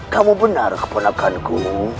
kamu benar keponakan ku